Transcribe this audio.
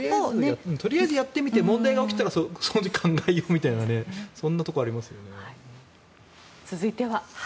とりあえずやってみて問題が起きたらその時に考えようみたいな続いては。